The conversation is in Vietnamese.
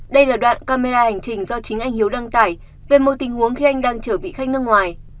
đây là đoạn camera hành trình do chính anh hiếu đăng tải về một tình huống khi anh đang chở vị khách nước ngoài